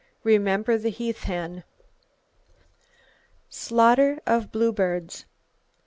Remember the heath hen. Slaughter Of Bluebirds.